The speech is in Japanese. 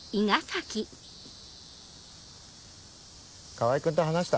川合君と話した？